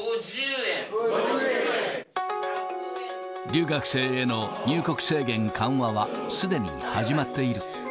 留学生への入国制限緩和は、すでに始まっている。